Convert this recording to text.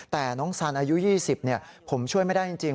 แต่น้องสันอายุ๒๐ผมช่วยไม่ได้จริง